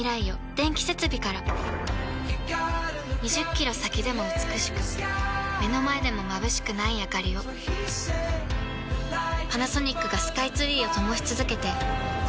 ２０キロ先でも美しく目の前でもまぶしくないあかりをパナソニックがスカイツリーを灯し続けて今年で１０年